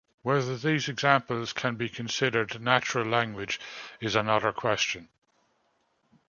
Whether these examples can be considered "natural language" is another question.